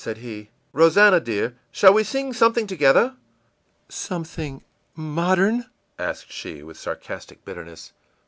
Said he: ìRosannah, dear, shall we sing something together?î ìSomething modern?î asked she, with sarcastic bitterness.